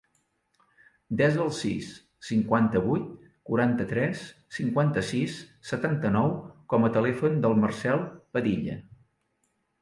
Desa el sis, cinquanta-vuit, quaranta-tres, cinquanta-sis, setanta-nou com a telèfon del Marcèl Padilla.